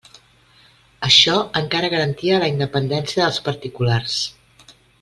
Això encara garantia la independència dels particulars.